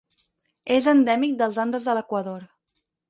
És endèmic dels Andes de l'Equador.